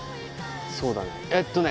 そうだねえっとね